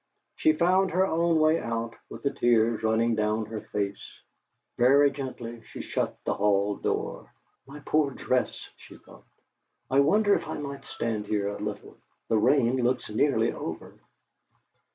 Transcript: She found her own way out, with the tears running down her face. Very gently she shut the hall door. '.y poor dress!' she thought. 'I wonder if I might stand here a little? The rain looks nearly over!'